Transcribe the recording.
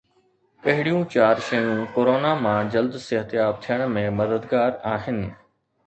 ڪهڙيون چار شيون ڪورونا مان جلد صحتياب ٿيڻ ۾ مددگار آهن؟